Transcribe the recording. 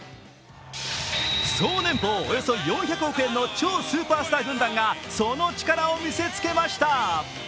総年俸およそ４００億円の超スーパースター軍団がその力を見せつけました。